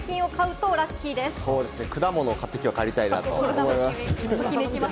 果物を買って、今日帰りたいなと思います。